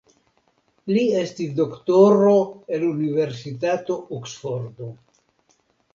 Li estas doktoro el Universitato Oksfordo.